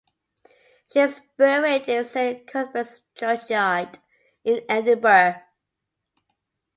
She is buried in Saint Cuthbert's churchyard in Edinburgh.